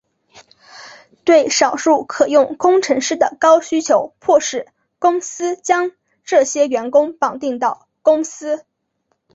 对少数可用工程师的高需求迫使公司将这些员工绑定到公司。